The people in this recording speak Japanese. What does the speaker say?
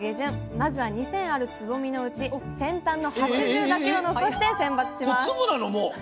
まずは２，０００あるつぼみのうち先端の８０だけを残して選抜しますえ！？